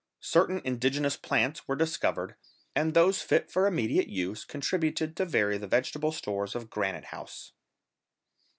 Certain indigenous plants were discovered, and those fit for immediate use, contributed to vary the vegetable stores of Granite House.